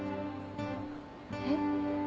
えっ？